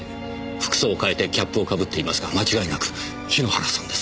服装を変えてキャップをかぶっていますが間違いなく桧原さんです。